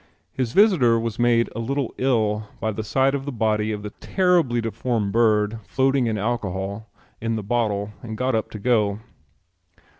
His visitor was made a little ill by the sight of the body of the terribly deformed bird floating in the alcohol in the bottle and got up to go.